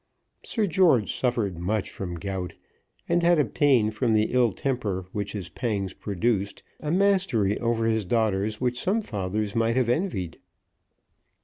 Sir George suffered much from gout, and had obtained from the ill temper which his pangs produced a mastery over his daughters which some fathers might have envied.